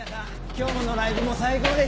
今日のライブも最高でした！